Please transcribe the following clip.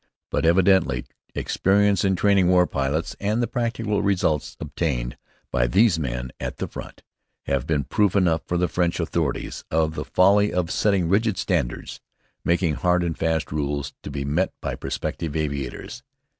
But evidently, experience in training war pilots, and the practical results obtained by these men at the front, have been proof enough to the French authorities of the folly of setting rigid standards, making hard and fast rules to be met by prospective aviators.